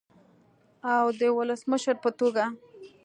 او د ولسمشر په توګه